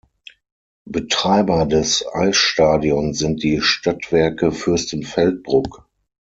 Betreiber des Eisstadions sind die „Stadtwerke Fürstenfeldbruck“.